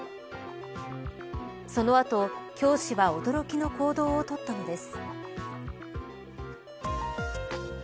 その後、教師は驚きの行動を取ったのです。